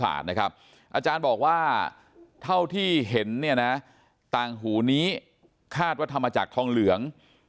อาจารย์บอกว่าเท่าที่เห็นต่างหูนี้คาดว่าทำมาจากทองเหลือง